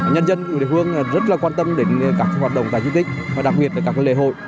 nhân dân địa phương rất là quan tâm đến các hoạt động tại di tích và đặc biệt là các lễ hội